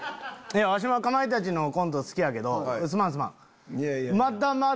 わしもかまいたちのコント好きやけどすまんすまん。